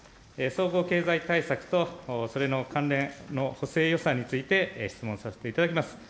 総合経済対策とそれの関連の補正予算について質問させていただきます。